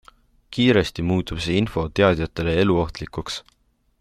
Kiiresti muutub see info teadjatele eluohtlikuks.